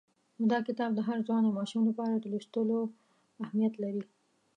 نو دا کتاب د هر ځوان او ماشوم لپاره د لوستلو اهمیت لري.